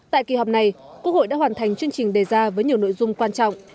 tại kỳ họp này quốc hội đã hoàn thành chương trình đề ra với nhiều nội dung quan trọng